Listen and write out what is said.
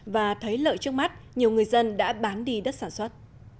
và thấy lợi trước mắt nhiều người dân đã bán đi đất sản xuất